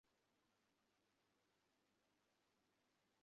ক্লান্তিতে শরীর ভেঙ্গে আসছে।